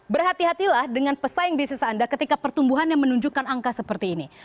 berhati hatilah dengan pesaing bisnis anda ketika pertumbuhannya menunjukkan angka seperti ini